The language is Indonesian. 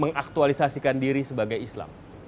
mengaktualisikan diri sebagai islam